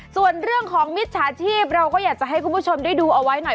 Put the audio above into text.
ส่วนเรื่องของมิจฉาชีพเราก็อยากจะให้คุณผู้ชมได้ดูเอาไว้หน่อย